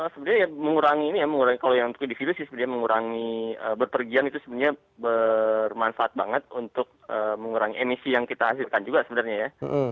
sebenarnya ya mengurangi ini ya mengurangi kalau yang untuk individu sih sebenarnya mengurangi berpergian itu sebenarnya bermanfaat banget untuk mengurangi emisi yang kita hasilkan juga sebenarnya ya